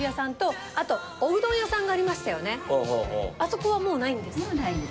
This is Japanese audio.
あそこはもうないんですか？